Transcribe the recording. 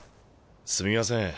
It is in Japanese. すみません